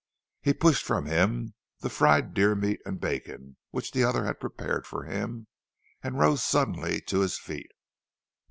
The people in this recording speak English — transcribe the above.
He pushed from him the fried deer meat and bacon which the other had prepared for him, and rose suddenly to his feet.